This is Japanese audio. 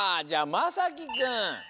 まさきくん